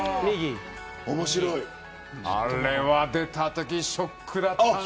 あれは出たときショックだったね。